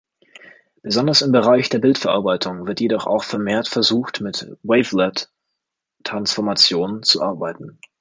Besonders im Bereich der Bildverarbeitung wird jedoch auch vermehrt versucht mit Wavelet-Transformationen zu arbeiten.